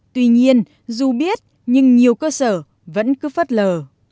tuy nhiên dù biết nhưng nhiều cơ sở vẫn cứ phất lờ